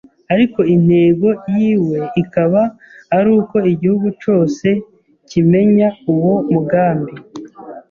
ariko intego yiwe ikaba ari uko igihugu cose kimenya uwo mugambi.